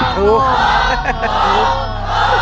ถูก